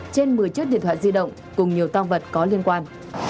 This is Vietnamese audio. trên một mươi chiếc điện thoại di động cùng nhiều tăng vật có liên quan